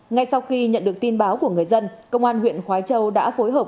ngay sau khi nhận được tin báo của người dân công an huyện khói châu đã phối hợp